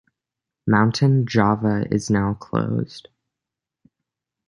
Mountain Java is now closed.